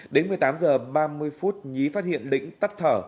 đến một mươi tám h ba mươi nhí phát hiện lĩnh tắt thở